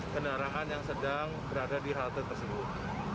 kendaraan yang sedang berada di halte tersebut